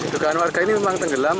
dugaan warga ini memang tenggelam